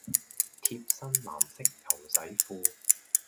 貼身藍色牛仔褲